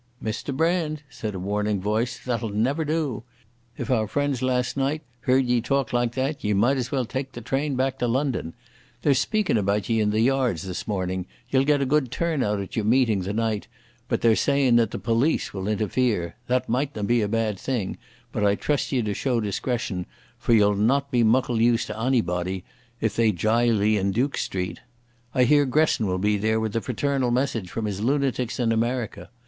"Mr Brand," said a warning voice, "that'll never do. If our friends last night heard ye talk like that ye might as well tak the train back to London.... They're speakin' about ye in the yards this morning. Ye'll get a good turnout at your meeting the night, but they're Sayin' that the polis will interfere. That mightna be a bad thing, but I trust ye to show discretion, for ye'll not be muckle use to onybody if they jyle ye in Duke Street. I hear Gresson will be there with a fraternal message from his lunatics in America....